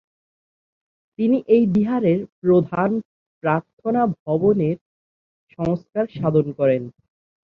তিনি এই বিহারের প্রধান প্রার্থনা ভবনের সংস্কার সাধন করেন।